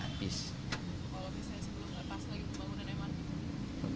kalau bisa sebelum lepas lagi pembangunan emang